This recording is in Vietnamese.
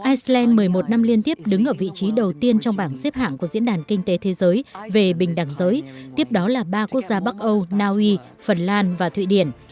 iceland một mươi một năm liên tiếp đứng ở vị trí đầu tiên trong bảng xếp hạng của diễn đàn kinh tế thế giới về bình đẳng giới tiếp đó là ba quốc gia bắc âu naui phần lan và thụy điển